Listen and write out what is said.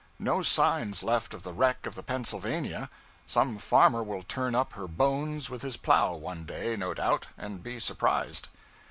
No signs left of the wreck of the 'Pennsylvania.' Some farmer will turn up her bones with his plow one day, no doubt, and be surprised.